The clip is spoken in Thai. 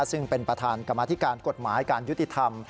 ซึ่งเป็นประธานกรรมธิการกฎหมายการยุติธรรม